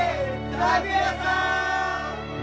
拓哉さん！